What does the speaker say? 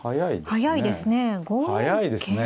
速いですね。